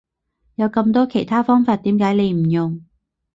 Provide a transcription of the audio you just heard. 有咁多其他方法點解你唔用？